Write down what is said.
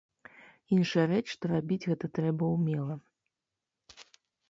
Іншая рэч, што рабіць гэта трэба ўмела.